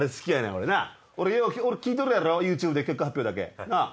よう聞いとるやろＹｏｕＴｕｂｅで結果発表だけなぁ？